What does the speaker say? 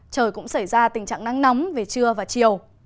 trời cũng xảy ra tình trạng nắng nóng về trưa và chiều